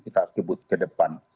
kita kebut ke depan